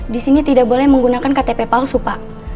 di sini tidak boleh menggunakan ktp palsu pak